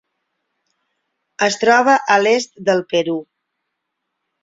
Es troba a l'est del Perú.